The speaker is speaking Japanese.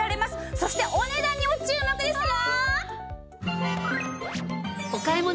そしてお値段にも注目ですよ。